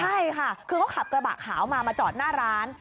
ใช่ค่ะคือเขาขับกระบะขาวมามาจอดหน้าร้าน